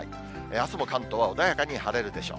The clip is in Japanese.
あすも関東は穏やかに晴れるでしょう。